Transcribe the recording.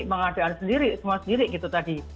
pengadaan sendiri semua sendiri gitu tadi